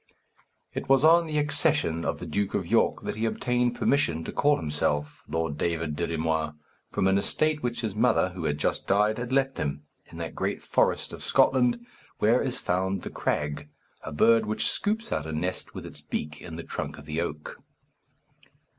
It was on the accession of the Duke of York that he obtained permission to call himself Lord David Dirry Moir, from an estate which his mother, who had just died, had left him, in that great forest of Scotland, where is found the krag, a bird which scoops out a nest with its beak in the trunk of the oak.